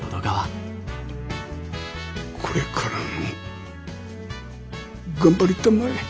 これからも頑張りたまえ。